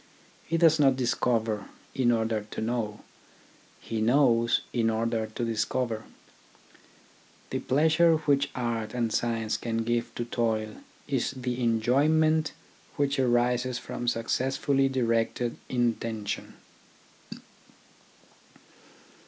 He does not discover in order to know, he knows in order to discover. The pleasure which art and science can give to toil is the enjoyment which arises 38 THE ORGANISATION OF THOUGHT from successfully directed intention.